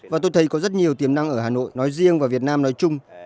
và tôi thấy có rất nhiều tiềm năng ở hà nội nói riêng và việt nam nói chung